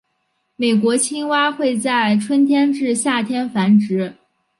美国青蛙会在春天至夏天繁殖。